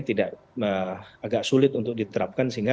tidak agak sulit untuk diterapkan sehingga